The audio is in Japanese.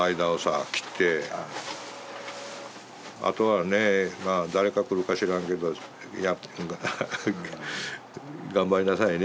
あとはね誰か来るか知らんけど頑張りなさいねって。